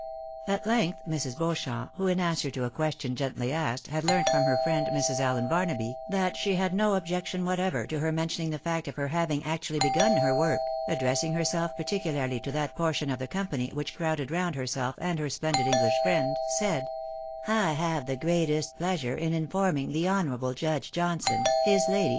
At length, Mrs. Beauchamp (who, in answer to a question gently asked, had learnt from her friend, Mrs. Allen Barnaby, that she had no objection whatever to her mentioning the fact of her having actually begun her work), addressing herself particularly to that portion of the company which crowded round herself and her splendid English friend, said — "i have the greatest of pleasure in informing the honourable Judge Johnson, his lady.